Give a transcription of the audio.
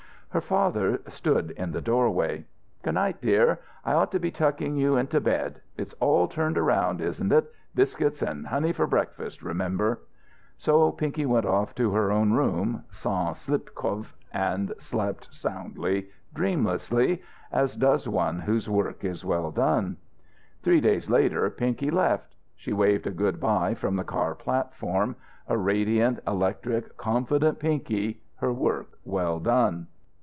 Her father stood in the doorway. "Good night, dear. I ought to be tucking you into bed. It's all turned around, isn't it? Biscuits and honey for breakfast, remember." So Pinky went off to her own room (sans "slp cov") and slept soundly, dreamlessly, as does one whose work is well done. Three days later Pinky left. She waved a good bye from the car platform, a radiant, electric, confident Pinky, her work well done.